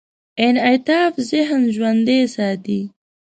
انعطاف ذهن ژوندي ساتي.